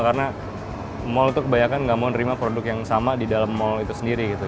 karena mall itu kebanyakan nggak mau nerima produk yang sama di dalam mall itu sendiri gitu